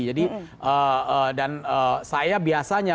jadi dan saya biasanya